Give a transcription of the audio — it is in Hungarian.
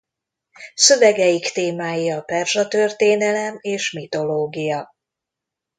Szövegeik témái a perzsa történelem és mitológia.